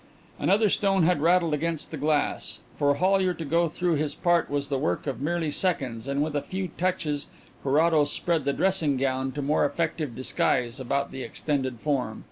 Another stone had rattled against the glass. For Hollyer to go through his part was the work merely of seconds, and with a few touches Carrados spread the dressing gown to more effective disguise about the extended form.